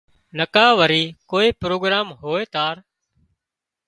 نڪا وري ڪوئي پروگران هوئي تار